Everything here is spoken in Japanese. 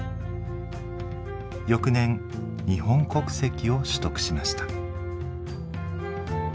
翌年日本国籍を取得しました。